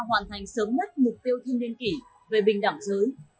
hoàn thành sớm nhất mục tiêu thiên niên kỷ về bình đẳng giới